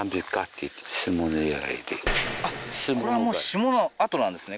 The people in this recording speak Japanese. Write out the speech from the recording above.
あっこれはもう霜の跡なんですね